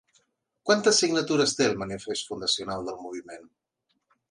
Quantes signatures té el manifest fundacional del moviment?